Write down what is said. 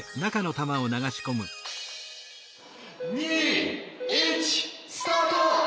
２１スタート！